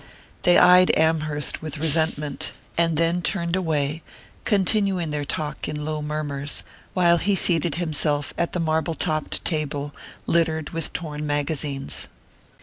They eyed Amherst with resentment, and then turned away, continuing their talk in low murmurs, while he seated himself at the marble topped table littered with torn magazines.